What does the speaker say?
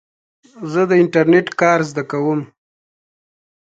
زه د انټرنېټ کار زده کوم.